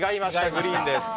グリーンです。